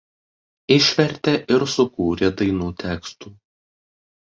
Išvertė ir sukūrė dainų tekstų.